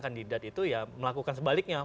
kandidat itu ya melakukan sebaliknya